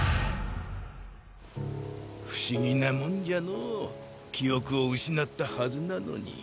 不思議なもんじゃのう記憶を失ったハズなのに。